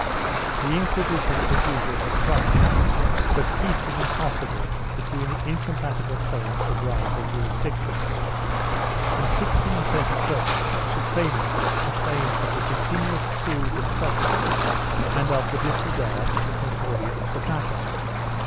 1 The Inquisiton, as usual, had triumphed, but peace was impos sible between the incompatible claims of rival jurisdictions. In 1637 the Suprema complained of the continuous series of troubles and of the disregard of the Concordia of Zapata.